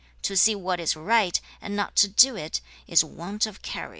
2. 'To see what is right and not to do it is want of courage.'